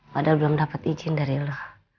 padahal belum dapet izin dari lo